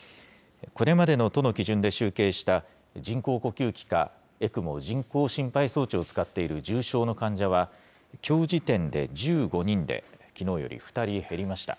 これまでの都の基準で集計した、人工呼吸器かＥＣＭＯ・人工心肺装置を使っている重症の患者は、きょう時点で１５人で、きのうより２人減りました。